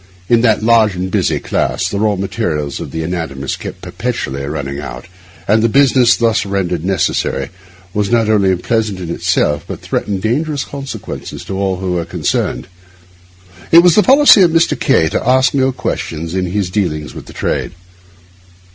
In that large and busy class, the raw material of the anatomists kept perpetually running out; and the business thus rendered necessary was not only unpleasant in itself, but threatened dangerous consequences to all who were concerned. It was the policy of Mr. K— to ask no questions in his dealings with the trade.